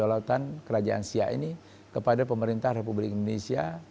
langsung menyerahkan keudolatan kerajaan siap ini kepada pemerintah republik indonesia